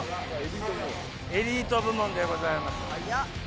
エリート部門でございます。